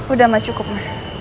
udah ma cukup ma